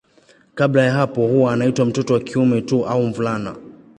Kabla ya hapo huwa anaitwa mtoto wa kiume tu au mvulana.